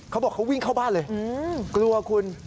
เขาบอกเขาวิ่งเข้าบ้านเลยกลัวคุณ